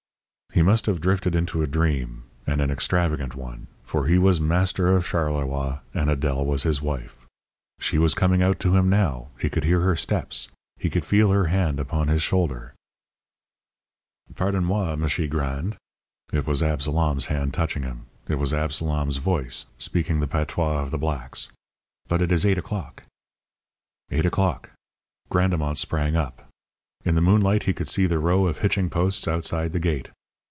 He must have drifted into a dream and an extravagant one for he was master of Charleroi and Adèle was his wife. She was coming out to him now; he could hear her steps; he could feel her hand upon his shoulder "Pardon moi, M'shi Grande" it was Absalom's hand touching him, it was Absalom's voice, speaking the patois of the blacks "but it is eight o'clock." Eight o'clock. Grandemont sprang up. In the moonlight he could see the row of hitching posts outside the gate.